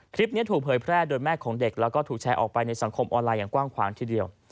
คลิปนี้ถูกเผยแพร่โดยแม่ของเด็กแล้วก็ถูกแชร์ออกไปในสังคมออนไลน์อย่างกว้างขวางทีเดียว